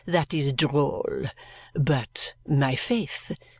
"That is droll! But my faith!